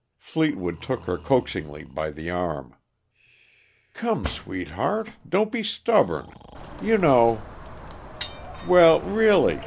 Fleetwood took her coaxingly by the arm. "Come, sweetheart, don't be stubborn. You know " "Well, really!